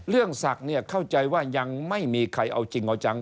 เรื่องศักดิ์เนี่ยเข้าใจว่ายังไม่มีใครเอาจริงเอาจัง